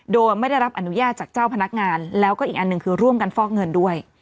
โดยไม่ได้รับอนุญาตจากเจ้าพนักงานแล้วก็อีกอันหนึ่งคือร่วมกันฟอกเงินด้วย